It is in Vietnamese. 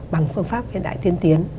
bằng phương pháp hiện đại tiên tiến